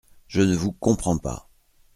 Je ne vous comprends pas.